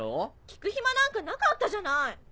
聞く暇なんかなかったじゃない！